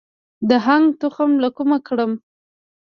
د هنګ تخم له کومه کړم؟